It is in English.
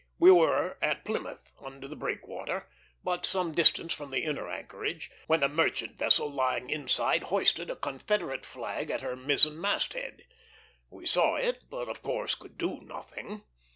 We were at Plymouth, under the breakwater, but some distance from the inner anchorage, when a merchant vessel lying inside hoisted a Confederate flag at her mizzen mast head. We saw it, but of course could do nothing.